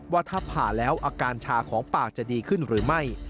ว่าถ้าผ่าแล้วอาการชาของปากจะดีขึ้นหรือไม่